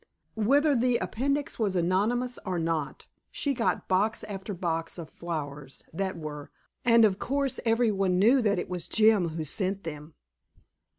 Whether the appendix was anonymous or not, she got box after box of flowers that were, and of course every one knew that it was Jim who sent them.